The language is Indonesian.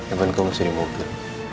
irfan kau mesti dimohon dulu